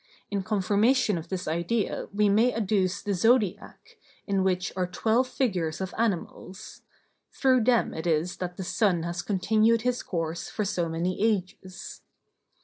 In confirmation of this idea we may adduce the Zodiac, in which are twelve figures of animals; through them it is that the sun has continued his course for so many ages.